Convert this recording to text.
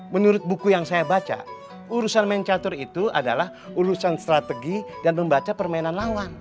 menurut buku yang saya baca urusan mancatur itu adalah urusan strategi dan membaca permainan lawan